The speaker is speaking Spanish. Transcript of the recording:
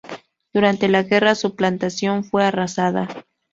Durante la guerra su plantación fue arrasada.